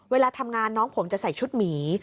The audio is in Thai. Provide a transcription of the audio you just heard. เวลาทำงานน้องผมจะใส่ชุดหมี